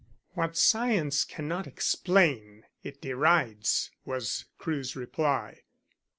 "What science cannot explain, it derides," was Crewe's reply.